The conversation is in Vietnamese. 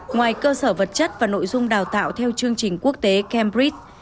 ngoài cơ sở vật chất và nội dung đào tạo theo chương trình quốc tế cambridg